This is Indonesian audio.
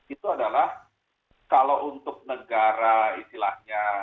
itu adalah kalau untuk negara istilahnya